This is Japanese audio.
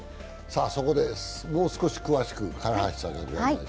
そこでもう少し詳しく唐橋さん、お願いします。